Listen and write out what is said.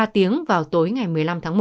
ba tiếng vào tối ngày một mươi năm tháng một